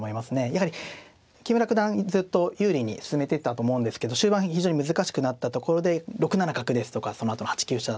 やはり木村九段ずっと有利に進めてたと思うんですけど終盤非常に難しくなったところで６七角ですとかそのあとの８九飛車